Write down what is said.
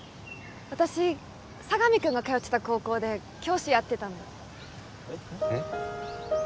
私佐神くんが通ってた高校で教師やってたのえっ？